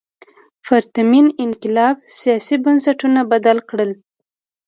پرتمین انقلاب سیاسي بنسټونه بدل کړل.